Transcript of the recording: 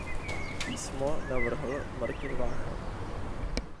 Písmo navrhl Martin Vácha.